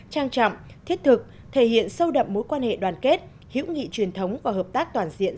trang trọng thiết thực thể hiện sâu đậm mối quan hệ đoàn kết hữu nghị truyền thống và hợp tác toàn diện